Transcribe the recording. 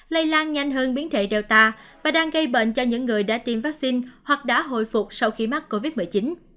lây lan nhanh hơn biến thể data và đang gây bệnh cho những người đã tiêm vaccine hoặc đã hồi phục sau khi mắc covid một mươi chín